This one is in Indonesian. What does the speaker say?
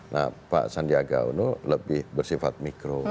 nah pak sandiaga uno lebih bersifat mikro